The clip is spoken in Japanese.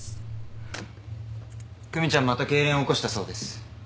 久美ちゃんまたけいれん起こしたそうです。